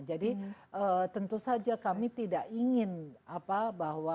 jadi tentu saja kami tidak ingin apa bahwa